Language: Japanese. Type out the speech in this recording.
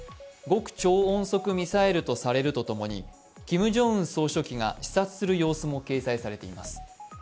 極超音速ミサイルとされるとともにキム・ジョンウン総書記が視察する様子も掲載されています。